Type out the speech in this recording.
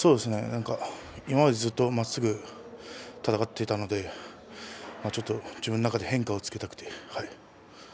ずっとまっすぐ戦っていたのでちょっと自分の中で変化をつけたくて。